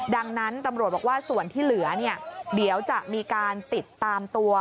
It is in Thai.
ดังนั้นตำรวจบอกว่าส่วนที่เหลือเนี่ยเดี๋ยวจะมีการติดตามตัว